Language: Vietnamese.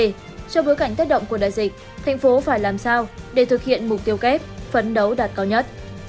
trong bối cảnh tác động của đại dịch thành phố phải làm sao để thực hiện mục tiêu kép phấn đấu đạt cao nhất